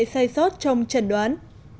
công nghệ xoay ruột trong trần đoán